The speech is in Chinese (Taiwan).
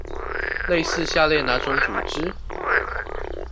類似下列那種組織？